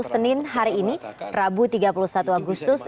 senin hari ini rabu tiga puluh satu agustus